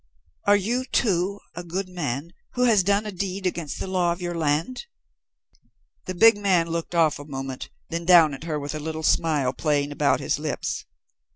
"Are you, too, a good man who has done a deed against the law of your land?" The big man looked off a moment, then down at her with a little smile playing about his lips.